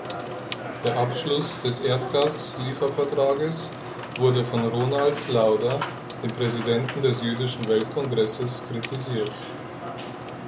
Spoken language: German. Der Abschluss des Erdgas-Liefervertrages wurde von Ronald Lauder, dem Präsidenten des Jüdischen Weltkongresses, kritisiert.